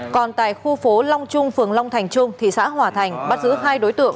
còn tại khu phố long trung phường long thành trung thị xã hòa thành bắt giữ hai đối tượng